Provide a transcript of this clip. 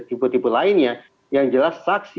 tipe tipe lainnya yang jelas saksi